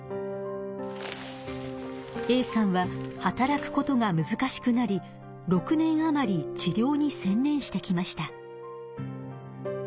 Ａさんは働くことがむずかしくなり６年あまり治りょうにせん念してきました。